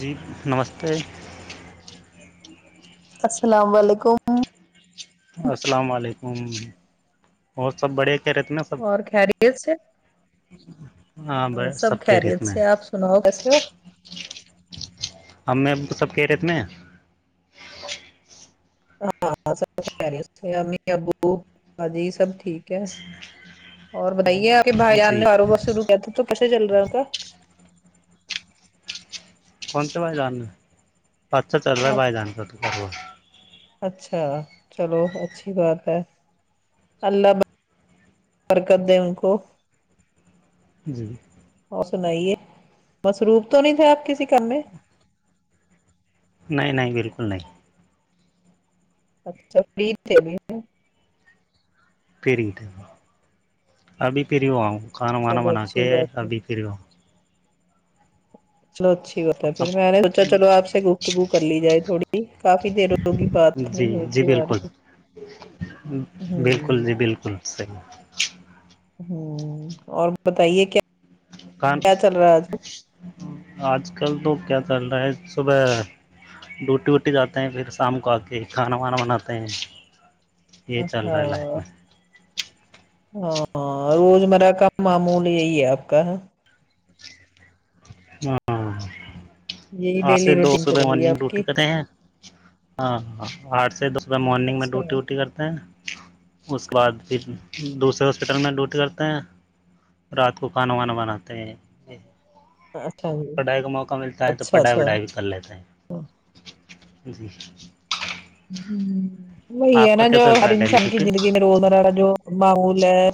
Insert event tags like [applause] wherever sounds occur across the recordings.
جی نمستے السلام علیکم السلام علیکم اور سب خیریت میں سب اور خریی سے ہ سب خیریت سے آپ سناؤ کیسے ہو ہم میں کو سب کہ ریت میں ہاں سب امی ابو با جی سب ٹھیک ہے اور بتائیے آپ کے بھائی ہیں جان جی نے باروبار شروع کیا تھا تو کیسے چل رہا تھا کون سے بائے جاننا پچ سا چلو بائی آپ جان کر تو کر اچھا چلو اچھی بات ہے اللہ ب حرکت دیں ان کو جی وہ سنائیے مصروف تو نہیں تھے آپ کسی کر میں نہیں نہیں بالکل نہیں اچھا فرید سے بھی پھرٹ ابھی پھر ہواؤں کھانا وانا چلو بنا اچھی کے بات ہے ابھی پھر ہوؤں چلو اچھی بات ہے پھر اب میں نے سوچا چلو آ سے گفتگو کر لی جائے تھوڑی جی کافی دیر ہوگی جی باتنی ہوئی جی تھی وہ بالکل رہ بالکل جی بالکل صحیح ہوں اور بتائیے کیا کان کیا چل رہا ہے آج کل؟ آج کل تو کیا چل رہا ہے صبح ڈوٹی ووٹی جاتے ہیں پھر شام کو آ کے کھانا وانا بناتے ہیں یہ چل اچھا رہا ہے لائف میں ہاں روز مرہ کا معمول یہی ہے آپ کا ہاں یہی آس ڈیلی دو روٹین سو چل رئے رہی ہے مارننگ آپ کی ریوٹی کتےیں ہیں ہاں ہاں آٹھ سے دس ب مارننگ میں اچھا ڈوٹی ووٹی کرتے ہیں اس کے بعد پھر دوسرے ہاسپٹل میں ڈیوٹی کرتے ہیں رات کو کھانا وانا بناتے ہیں اچھا جی پڑھائی کا موقع ملتا ہے تو اچھا پڑھائی اچھا وڑھائی کر لیتا ہے جی ہ وہی آپ ہے کا نا کیا جو چل رہا ہر ہے ڈیلی انسان کی زندگی ڈیوٹی میں رزرا جو ماحول ہے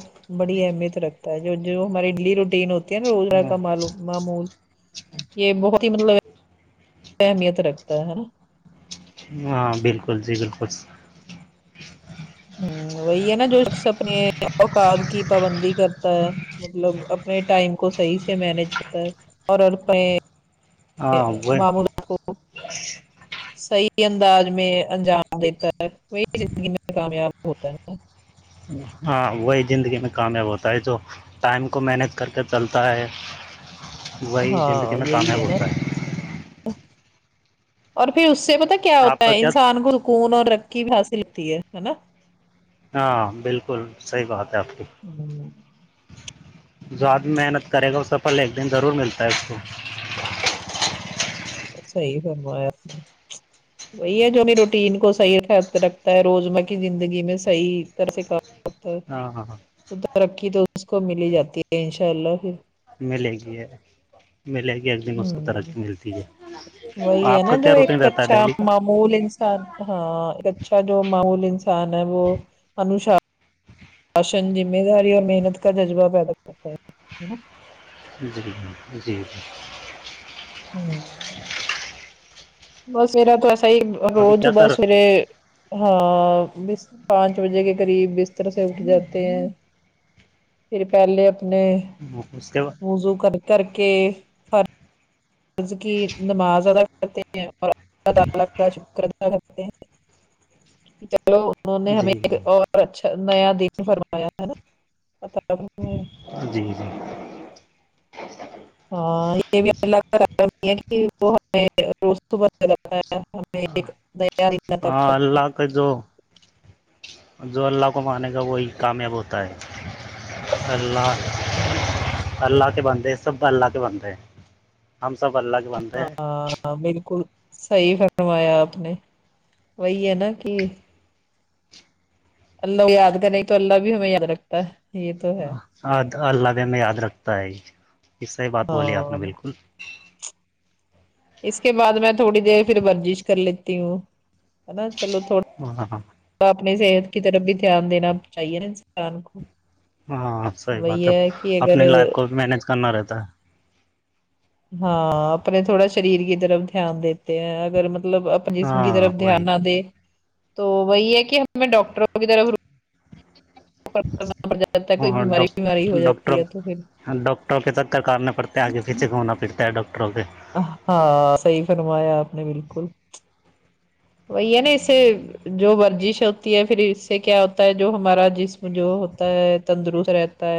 بڑی اہمیت رکھتا ہے جو جو ہماری ڈیلی روٹین ہو ا روزر کال معمول یہ بہت ہی مطلب اہمیت رکھتا ہے نا ہاں بالکل جی بالکل ہ وہی ہے نا جو اپنے اوقات کی پابندی کرتا ہے مطلب اپنے ٹائم کو صحیح سے مینج کرتا ہے اور ہاں وہ معمولات کو صحیح انداز میں انجام دیتا ہے وہی زندگی میں کامیاب ہوتا ہے ہاں وہی زندگی میں کامیاب ہوتا ہے جو ٹائم کو مینج کر کے چلتا ہے وہی زندگی ہاں میں کام یہی ہے نا بولتا ہے اور پھر اس سے پتا کیا آپ ہوتا کا ہے کیا انسان گ کون اور رقی بھی حاصل ہوتی ہے نا ہاں بالکل صحی بات ہے آپ کی ہوں، جو آد محنت کرے گا وہ سفل ایک دن ضرور ملتا ہے اس کو صحی فرمایاپ نے وہی ہے جو روٹین کو صحیح خ رکھتا ہے روزمہ کی زندگی میں صحی طرح سے کا ست ہاں ہاں ہاں تو ترقی تو اس کو ملی جاتی ہے انشاء اللہ پھر ملے گی ملے گی ایک دن اس کو ہ ترقی ملتی ہے وہی ہے آپ نا کا جو کیا روٹین ایک رہتا ہے اچھا ڈیلی کا مول انسان ہاں ایک اچھا جو معمول انسان ہے وہ انوشا راشن ذمہ داری اور محنت کا جذبہ پیدا کرتا ہے نا جی ج جی جی ہوں بس سویرا تو ایسا ہی ابھی روز کیا بس کر سویر ہاں پانچ بجے کے قریب بستر سے اٹھ جاتے ہیں پھر پہلے اپنے اس کے ب موزو کر کر کے قرض کی نماز ادا کرتے ہیں اور اللہ تعالی کا شکر ادا کرتے ہیں چلو انہوں نے ہمیں جی ایک جی اور اچھا نیا دن فرمایا ہے نا پ کب جی جی ہاں یہ بھی الگ کہ وہ ہمیں صبح سے لگتا ہے ہم ایک تک خجو جو اللہ کو مانے گا وہی کامیاب ہوتا ہے اللہ ہوں اللہ کے بندے سب اللہ کے بندے ہیں ہم سب اللہ کے بندے ہیں ہاں بالکل صحی فرمایا آپ نے وہی ہے نا کہ اللہ یاد کرے تو اللہ بھی ہمیں یاد رکھتا ہے یہ تو ہے اللہب میں یاد رکھتا ہے یہ صحیح بات بولی آپ نے ہاں بالکل اس کے بعد میں تھوڑی دیر پھر ورزش کر لیتی ہوں ہے نا چلو تھڑا ہاں ہاں تو اپنی صحت کی طرف بھی دھیان دینا چاہیے نا انسان کو ہاں صحیح بات وہی ہے کہ اپنی اگر لائف کو بھی مینج کرنا رہتا ہے ہاں اپنے تھوڑا شریر کی طرف دھیان دیتے ہیں اگر مطلب جسم کی ہاں طرف وہی دھیان نہ دے تو وہی ہے کہ ہم ڈاکٹروں کی طرف کرنا پڑ جاتا ہے کوئی ہاں بیماری وماری ڈاک ہو ڈاکٹر جاتی ہے تو پھر ڈاکٹروں کے تکرارنے پڑتے ہیں آگے پیچھے گھومنا پھرتا ہے ڈاکٹروں کے ہاں صحیح فرمایا آپ نے بالکل وہی ہے نا اسسے جو ورزش ہوتی ہے پھر اس سے کیا ہوتا ہے جو ہمارا جسم جو ہوتا ہے تندرست رہتا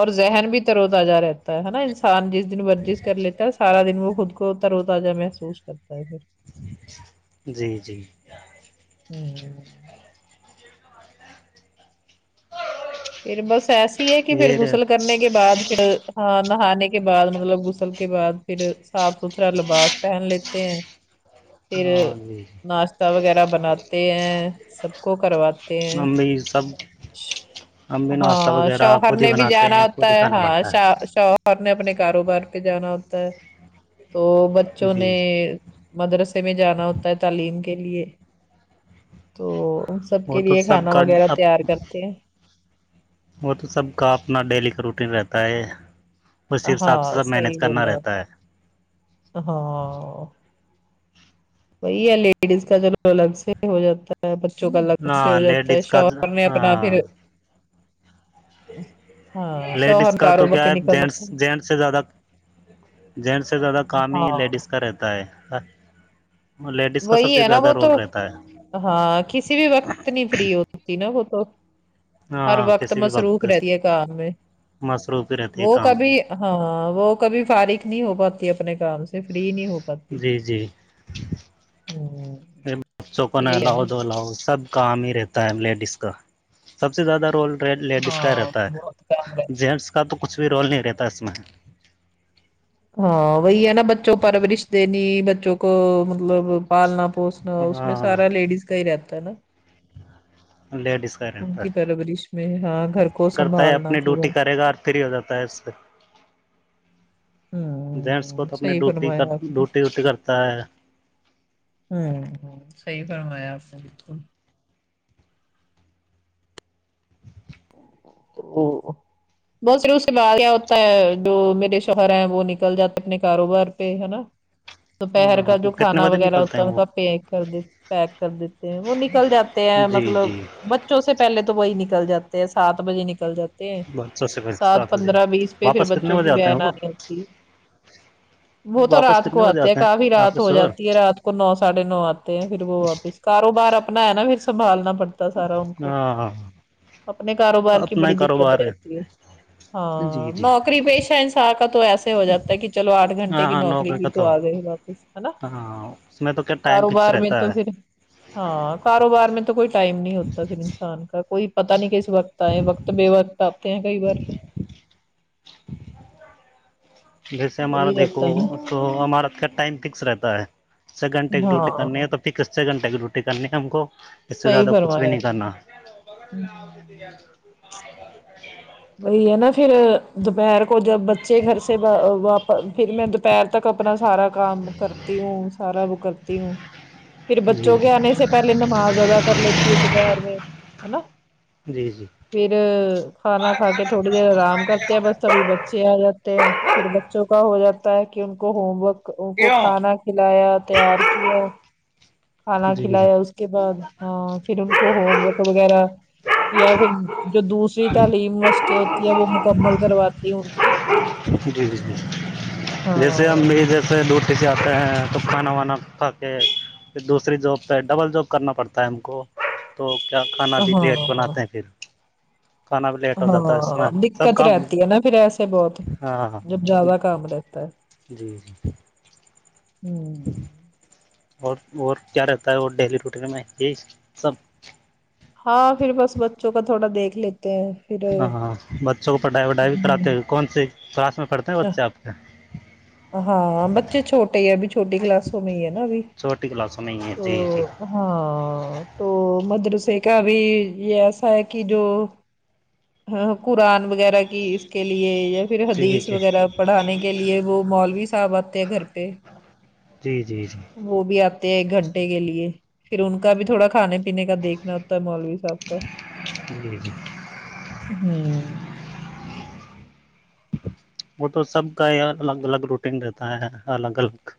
اور ذہن بھی ترو تازہ رہتا ہے نا انسان جس ن ورزش کر لیتا ہے سارا دن وہ خود کو ترو تزہ محسوس کرتا ہے پھر جی جی ہوں ہوں پھر بس ایسی ہے کہ پھر یہ غسل کرنے کے بعد پھر ہاں نہانے کے بعد مطلب غسل کے بعد پھر صاف ستھرا لباس پہن لیتے ہیں پھر ہاں جی جی ناشتہ وغیرہ بناتے ہیں سب کو کرواتے ہیں ہم سب ہم بھی ناشتہ ہاں وغیرہ شوہر خود ہی نے بھی بناتے جانا ہیں ہوتا خود ہی ہے کھانا ہاں پڑتا شا شوہر نے اپنے کاروبار پہ جانا ہوتا ہے تو ہے بچوں نے جی مدرسے میں جانا ہوتا ہے تعلیم کے لیے تو سب وہ کے تو لیے سب کھانا کا وغیرہ اب تیار کرتے ہیں وہ تو سب کا اپنا ڈیلی کا روٹین رہتا ہے اسی حساب سے ہاں سب مینیج صحیح کرنا بولا رہتا ہے ہاں وہی ہے لیڈیز کا جو سے ہو جاتا ہے بچوں کا الگ سے ہاں ہو جاتا ہے لیڈیز کا شوہر نے اپنا ہاں پھر ہاں لیڈیز شوہر کا تو کاروبار کیا پہ ہے جینس نکلنا جینس سے زیادہ جینس سے زیادہ کام ہاں ہی لیڈیز کا رہتا ہے لیڈیز کا سب وہی سے ہے نا زیادہ وہ تو رول رہتا ہے ہاں کسی بھی وقت نہیں فری ہوتی نا وہ تو ہر ہاں وقت کسی بھی مصروف وقت رہتی ہے کام میں مصروف ہی رہتی ہے وہ کام کبھی ہاں وہ کبھی فارغ نہیں ہو پاتی اپنے کام سے فری نہیں ہو پاتی جی جی ہ سو فن یہی ہے لاؤ نا دو لاؤ سب کام ہی رہتا ہے لیڈیز کا سب سے زیادہ رول لیڈیز کا ہاں رہتا ہے بہت کام رہ جینس کا تو کچھ بھی رول نہیں رہتا اس میں ہاں وہی ہے نا بچوں پرورش دینی بچوں کو مطلب پالنا پوسنا اس میں ہاں سارا لیڈیز کا ہی رہتا ہے نا لیڈیس ان رہتا کی پرورش میں ہاں گھر کو کرتا ہے سنبھالنا اپنی پورا ڈیوٹی ہوں کرے گا اور فری ہو جاتا ہے اس سے [inaudible] جینس کو تو اپنی صحیح ڈیوٹی کر فرمایا آپ نے ہوں ڈیوٹی ویوٹی کرتا ہے ہوں ہصحیح فرمایا آپ نے بالکل تو وہ بہت سارے اس سے بد کاریاں ہوتا ہے جو میرے شوہر ہیں وہ نکل جاتے اپنے کاروبار پہ ہے نا دوپہر کا ہاں وہ جو کتنے کھانا بجے وغیرہ نکلتے ہیں ہوتا ہے وہ کا پیک کر دیتے پیک کر دیتے ہیں وہ نکل جاتے ہیں جی مطلب جی بچوں سے پہلے تو وہی نکل جاتے ہیں سات بجے نکل جاتے بچوں سے پہلے سات بجے پندرہ بیس پہ پھر واپس کتنے بچوں بجے کی آتے ہیں بن وہ آنی ہوتی ہے [inaudible] وہ تو واپس رات کو کتنے بجے آتے ہے ہیں کافی آپ رات کے ہو سور جاتی ہے رات کو نو ساڑھے نو آتے ہیں پھر وہ واپس کاروبار اپنا ہے نا پھر سنھبالنا پڑتا سارا ان کو ہاں ہاں اپنے کاروبار کی بڑی دقت رہتی ہے جی ہاں جی نوکری پیشہ انسا ن کا تو ایسے ہو جاتا ہے کہ چلو آٹھ گھنٹے ہاں کی ہاں نوکری کا کی تو آ گئے واپس ہے نا ہاں اس میں تو کیا ٹائم فکس کاروبار میں رہتا تو ہے پھر ہاں کاروبار میں تو کوئی ٹائم نہیں ہوتا پھر انسان کا کوئی پتا نہیں کیس وقت آئے وقت بے وقت آتے ہیں کئی بار جیسے ہمارا وہی دیکھو رہتا ہے نا تو ہمارا ٹائم فکس رہتا ہے سیکینڈ ٹائم کی ڈیوٹی کرنی ہاں ہے تو کتنے گھنٹے کی ڈیوٹی کرنی ہے ہم کو اس سے زیادہ کچھ بھی نہیں کرنا ہوں وہی ہے نا پھر دوپہر کو جب بچے گھر سے واپ پھر میں دوپہر تک اپنا سارا کام کرتی ہوں سارا وہ کرتی ہوں پھر بچوں جی کے آنے سے پہلے نماز ادا کر لیتی ہوں دوپہر میں ہے نا جی جی جی پھر کھانا کھ کے تھوڑی دیر آرام کرتے ہیں بس سبھی بچ بچے آ جاتے ہیں پھر بچوں کا ہو جاتا ہے کہ ان کو ہوم ورک ان کو کیوں کھانا کلایا تیار کیا کھانا جی جی کھلایا اس کے بعد پھر ان کو ہوم ورک وغیرہ یا پھر جو دوسری تعلیم مشقیں ہوتی ہیں وہ مکمل کرواتی ہیں ان کو جی جی ہاں سے لورتے سے آتے ہیں تو کھانا وانا کھا کے پھر دوسری جاب پہ ڈبل جاب کرنا پڑتا ہے ہم کو تو کیا کھانا بھی لیٹ ہاں بناتے ہیں پھر کھانا بھی لیٹ ہو جاتا ہے اس میں ہاں سب دقت کام رہتی ہے نا پھر ایسے بہت ہاں ہاں جب زیادہ کام رہتا ت جی جی ہوں اور اور کیا رہتا ہے وہ ڈیلی روٹین میں یہی سب ہاں پھر بس بچوں کا تھوڑا دیکھ لیتے ہیں پھر ہاں ہاں بچوں کو پڑھائی وھائی بھی کراتے ہوں ہو کون سی کلاس میں پڑھتے ہیں بچے آپ کے ہاں بچے چھوٹے ہےب چھوٹی کلاسوں میں ہی ہے ناب چھوٹی کلاسوں میں ہی ہے تو جی جی ہاں تو مدرسے کا بھی یہ ایسا ہے کہ جو ہ قرآن وغیرہ کی اس کے لیے یا پھر حدیث ٹھیک ہے وغیرہ پڑھانے کے لیے وہ مال بھی س ب آتے گھر پہ جی جی جی وہ بھی آتے ہیں ایک گھنٹے کے لیے پھر ان کا بھی تھوڑا کھانے پینے کا دیکھنا ہوتا ہے مولوی اب کا جی جی ہوں وہ تو سب کا ہی الگ الگ روٹین رہتا ہے الگ الگ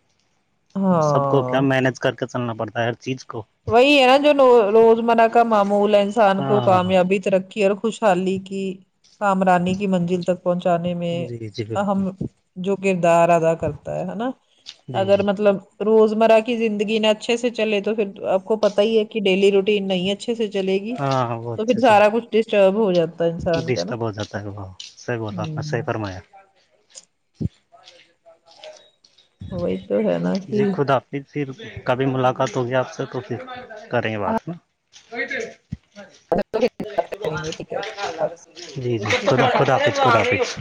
وہ سب کو کیا ہاں مینج کر کے چلنا پڑتا ہے ہر چیز کو وہی ہے نا جو روزمرہ کا معمول ہے انسان کو ہاں ہاں کامیابی ترقی اور خوش چالی کی کام رانی کی منزل تک پہنچانے میں جی جی بالکل اہم جو کردار ادا کرتا ہے ہے نا جی جی اگر مطلب روزمرہ کی زندگییں اچھے سے چلے تو پھر آپ کو پتتا ہی ہے کہ ڈیلی روٹین نہیں ہے اچھے سے چلے گی ہاں ہاں وہ تو پھر اچھے سے سارا کچھ ڈسٹرب ہو جاتا ہے انسان کا نا ڈسٹرب ہو جاتا ہے ب صحی بول رہو آپ نے صحیح ہ فرمایا وہی تو ہے نا کہ پھر پھر کبھی ملاقات ہوگی آپ سے تو پھر کریں گے ہاں بات نا ائی تھے کریں گے ہے جی جی خدا خدافظ خد حافظ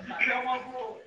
حافظ